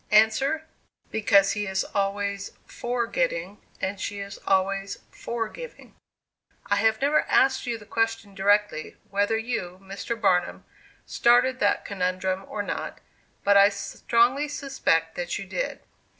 Answer: 'Because he is always for getting, and she is always for giving.' "I have never asked you the question directly, whether you, Mr. Barnum, started that conundrum, or not; but I strongly suspect that you did.